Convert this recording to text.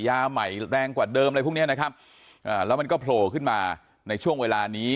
ใหม่แรงกว่าเดิมอะไรพวกเนี้ยนะครับอ่าแล้วมันก็โผล่ขึ้นมาในช่วงเวลานี้